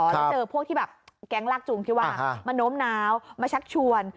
แล้วเจอพวกที่แบบแก๊งลากจูงที่ว่ามาโน้มน้าวมาชักชวน